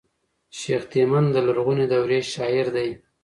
شېخ تیمن د لرغوني دورې شاعر دﺉ.